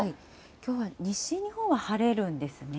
きょうは西日本は晴れるんですね。